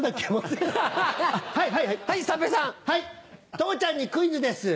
父ちゃんにクイズです。